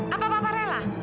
apa pak rela